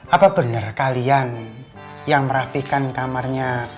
apa benar kalian yang merapikan kamarnya